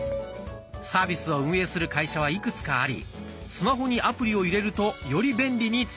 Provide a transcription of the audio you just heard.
サービスを運営する会社はいくつかありスマホにアプリを入れるとより便利に使えます。